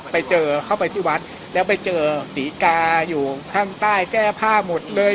ไปเจอเข้าไปที่วัดแล้วไปเจอศรีกาอยู่ข้างใต้แก้ผ้าหมดเลย